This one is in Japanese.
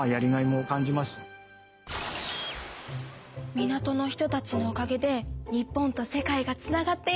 港の人たちのおかげで日本と世界がつながっているのね。